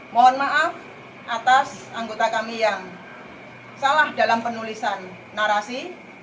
mohon maaf atas anggota kami yang salah dalam penulisan narasi